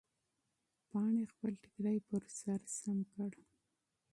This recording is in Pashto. پاڼې خپل پړونی پر سر سم کړ.